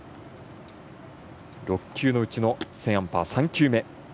６球のうちのセーンアンパーの３球目。